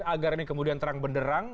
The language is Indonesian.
agar ini kemudian terang benderang